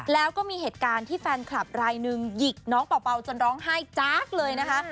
แล้วก็มีเหตุการณ์ที่แฟนคลับรายหนึ่งหยิกน้องเป่าจนร้องไห้จากเลยนะคะ